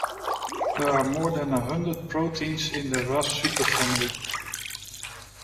There are more than a hundred proteins in the Ras superfamily.